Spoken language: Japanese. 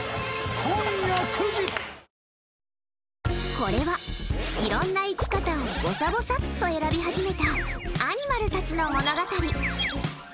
これは、いろんな生き方をぼさぼさっと選び始めたアニマルたちの物語。